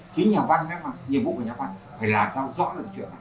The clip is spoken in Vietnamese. chính nhà văn đấy mà nhiệm vụ của nhà văn phải làm sao rõ được chuyện này